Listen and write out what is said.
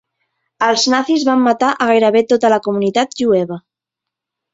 El nazis van matar a gairebé tota la comunitat jueva.